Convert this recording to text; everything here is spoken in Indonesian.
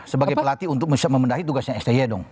sebagai pelatih untuk bisa memendahi tugasnya sty dong